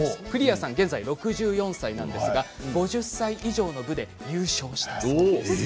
プリーアさんは現在６４歳なんですが５０歳以上の部で優勝したそうです。